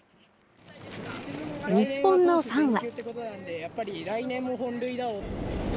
日本のファンは。